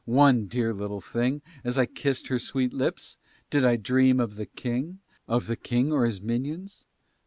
One dear little thing, As I kissed her sweet lips, did I dream of the King? Of the King or his minions?